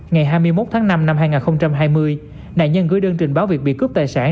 ngày hai mươi một tháng năm năm hai nghìn hai mươi nạn nhân gửi đơn trình báo việc bị cướp tài sản